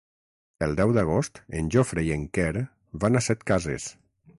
El deu d'agost en Jofre i en Quer van a Setcases.